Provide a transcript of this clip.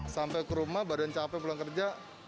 sampai ke rumah badan capek pulang kerja